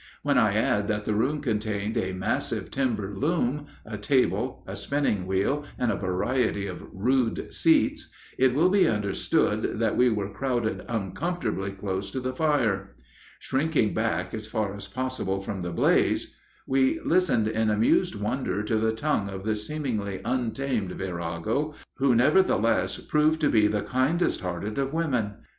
When I add that the room contained a massive timber loom, a table, a spinning wheel, and a variety of rude seats, it will be understood that we were crowded uncomfortably close to the fire. Shrinking back as far as possible from the blaze, we listened in amused wonder to the tongue of this seemingly untamed virago, who, nevertheless, proved to be the kindest hearted of women.